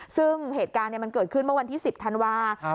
ซึ่งเหตุการณ์มันเกิดขึ้นเมื่อวันที่๑๐ธันวาคม